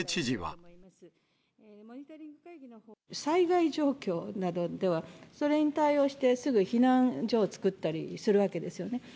災害状況などでは、それに対応してすぐ避難所を作ったりするわけですよね。